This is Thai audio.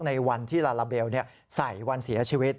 ในวันที่ลาลาเบลใส่วันเสียชีวิต